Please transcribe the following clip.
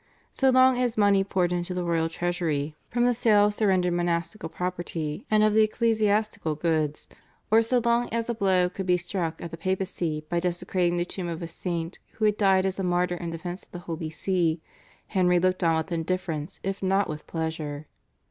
So long as money poured into the royal treasury from the sale of surrendered monastical property and of the ecclesiastical goods, or so long as a blow could be struck at the Papacy by desecrating the tomb of a saint who had died as a martyr in defence of the Holy See, Henry looked on with indifference if not with pleasure.